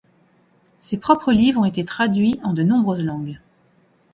Ses propres livres ont été traduits en de nombreuses langues.